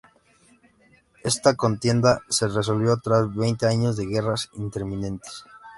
Esta contienda se resolvió tras veinte años de guerras intermitentes.